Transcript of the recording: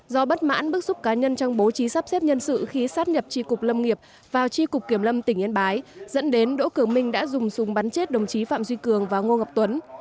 do bất mãn bức xúc cá nhân trong bố trí sắp xếp nhân sự khi sắp nhập tri cục lâm nghiệp vào tri cục kiểm lâm tỉnh yên bái dẫn đến đỗ cửa minh đã dùng súng bắn chết đồng chí phạm duy cường và ngô ngọc tuấn